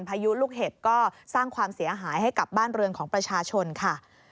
พายุลูกเห็บก็สร้างความเสียหายให้กับบ้านเรือนของประชาชนค่ะ